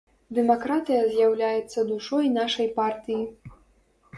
Дэмакратыя з'яўляецца душой нашай партыі.